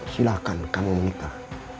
silahkan kamu nikah